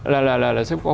là là là là xếp kho